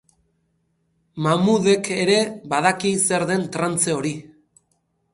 Mahmudek ere badaki zer den trantze hori.